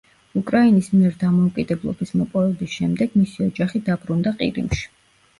უკრაინის მიერ დამოუკიდებლობის მოპოვების შემდეგ, მისი ოჯახი დაბრუნდა ყირიმში.